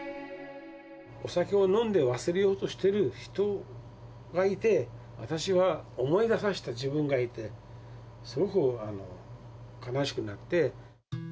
お酒を飲んで忘れようとしてる人がいて、私は思い出させた自分がいて、すごく悲しくなって。